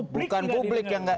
bukan publik yang didengar